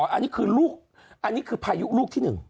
อันนี้คือลูกอันนี้คือพายุลูกที่๑